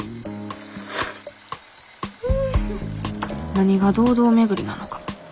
何が堂々巡りなのか。